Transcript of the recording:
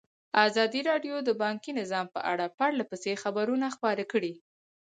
ازادي راډیو د بانکي نظام په اړه پرله پسې خبرونه خپاره کړي.